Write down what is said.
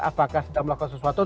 apakah sedang melakukan sesuatu